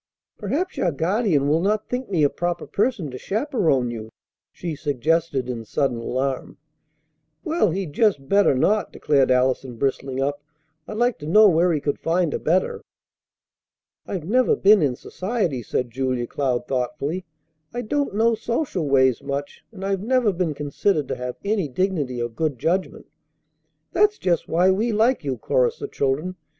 "Perhaps your guardian will not think me a proper person to chaperon you," she suggested in sudden alarm. "Well, he'd just better not!" declared Allison, bristling up. "I'd like to know where he could find a better." "I've never been in society," said Julia Cloud thoughtfully. "I don't know social ways much, and I've never been considered to have any dignity or good judgment." "That's just why we like you," chorused the children.